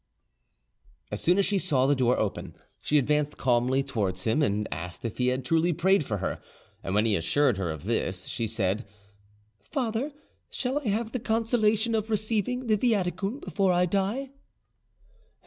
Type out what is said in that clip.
As soon as she saw the door open, she advanced calmly towards him, and asked if he had truly prayed for her; and when he assured her of this, she said, "Father, shall I have the consolation of receiving the viaticum before I die?"